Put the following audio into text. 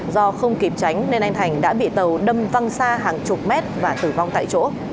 do không kịp tránh nên anh thành đã bị tàu đâm văn xa hàng chục mét và tử vong tại chỗ